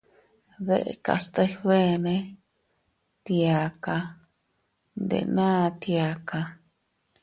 Dekas teg beene, tiaka, ndena tiaka.